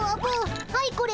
はいこれ。